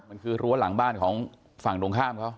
มันคือรั้วหลังบ้านของฝั่งตรงข้ามเขา